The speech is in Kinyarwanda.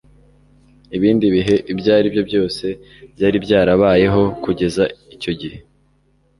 ibindi bihe ibyo ari byo byose byari byarabayeho kugeza icyo gihe